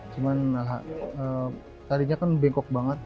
cuman tadinya kan bengkok banget